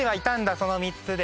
その３つで。